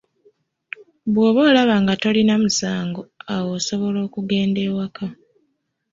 Bw'oba olaba nga tolina musango awo osobola okugenda ewaka.